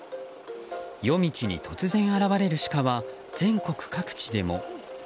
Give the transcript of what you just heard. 夜道に突然現れるシカは全国各地でも。